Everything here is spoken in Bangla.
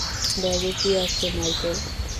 ব্যাগে কি আছে মাইকেল?